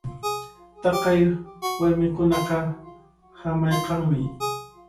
Taqay warmikunaqa hamaykanmi.